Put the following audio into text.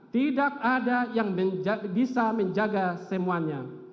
tidak ada yang bisa menjaga semuanya